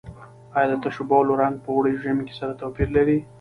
آیا د تشو بولو رنګ په اوړي او ژمي کې سره توپیر لري؟